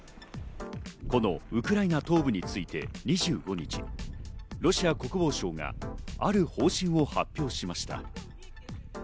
このウクライナ東部について２５日、ロシア国防省がある方針を発表しました。